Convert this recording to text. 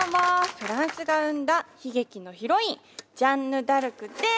フランスが生んだ悲劇のヒロインジャンヌ・ダルクです！